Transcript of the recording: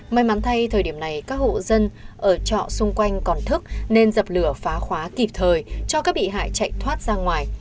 may mắn thay thời điểm này các hộ dân ở trọ xung quanh còn thức nên dập lửa phá khóa kịp thời cho các bị hại chạy thoát ra ngoài